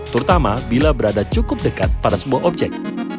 terutama bila berada cukup dekat pada sebuah objek